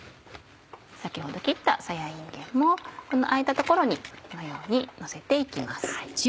先ほど切ったさやいんげんもこの空いた所にこのようにのせて行きます。